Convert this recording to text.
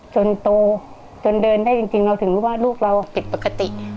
จนโตจนเดินได้จริงเราถึงรู้ว่าลูกเราผิดปกติ